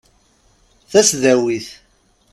Tasdawit.